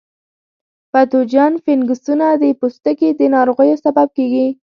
پتوجن فنګسونه د پوستکي د ناروغیو سبب کیږي.